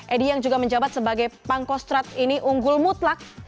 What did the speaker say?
edi yang juga menjabat sebagai pangkostrat ini unggul mutlak